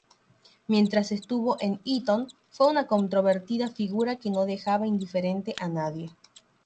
Mientras estuvo en Eton, fue una controvertida figura que no dejaba indiferente a nadie.